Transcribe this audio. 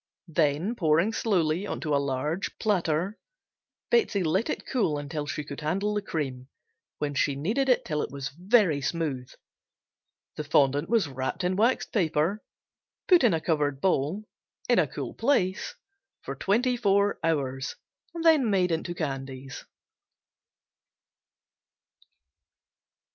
Then pouring slowly on to a large platter, Betsey let it cool until she could handle the cream, when she kneaded it till it was very smooth. The fondant was wrapped in waxed paper, put in a covered bowl in a cool place for twenty four hours and then made into candies.